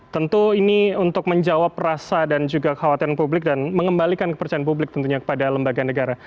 tentu ini untuk menjawab rasa dan juga khawatiran publik dan mengembalikan kepercayaan publik tentunya kepada lembaga negara